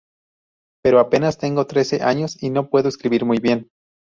Pero apenas tengo trece años y no puedo escribir muy bien.